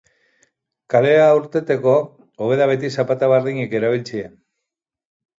Kalera irteteko hobe da beti zapata berdinak erabiltzea.